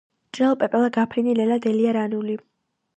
ჭრელო პეპელა გაფრინდი ნელა დელია რანული.